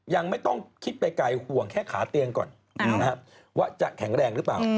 ยังไม่ต้องคิดไปไกลห่วงแค่ขาเตียงก่อนนะครับว่าจะแข็งแรงหรือเปล่า